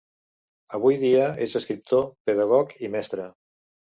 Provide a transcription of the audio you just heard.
Avui dia és escriptor, pedagog i mestre.